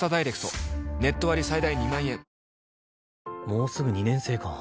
もうすぐ２年生か。